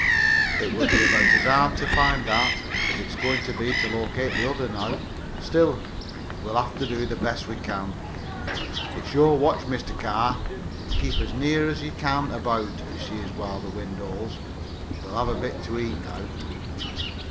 "It would be about as hard to find that as it's going to be to locate the other now. Still, we'll have to do the best we can. It's your watch, Mr. Carr. Keep her as near as you can about as she is while this wind holds. We'll have a bit to eat now."